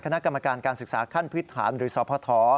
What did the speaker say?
คณะกรรมการการศึกษาขั้นพื้นฐานหรือสพ